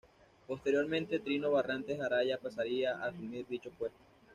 Posteriormente, Trino Barrantes Araya pasaría a asumir dicho puesto.